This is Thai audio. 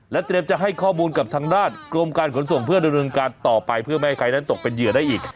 เตรียมจะให้ข้อมูลกับทางด้านกรมการขนส่งเพื่อดำเนินการต่อไปเพื่อไม่ให้ใครนั้นตกเป็นเหยื่อได้อีก